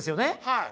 はい。